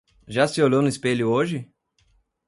Já se olhou no espelho hoje?